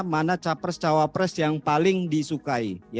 mana capres cawapres yang paling disukai